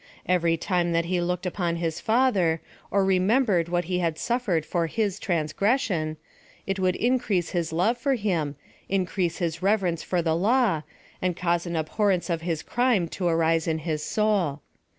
Every tim.e that he looked upon his father, or remembered what he had suffer ed for his transgression, it would increase his love for him, increase his reverence for the law, and cause an abhorence of his crime to arise in his soul.